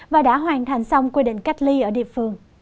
và đã hoàn thành xong quy định cách ly ở địa phương